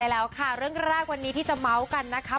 แล้วค่ะเรื่องแรกวันนี้ที่จะเมาส์กันนะคะ